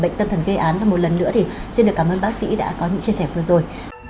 của những cái an và một lần nữa thì xin được cảm ơn bác sĩ đã có những chia sẻ vừa rồi